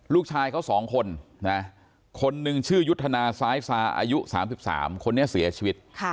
ลูกชายเขา๒คนคนหนึ่งชื่อยุทธนาซ้ายซาอายุ๓๓คนนี้เสียชีวิต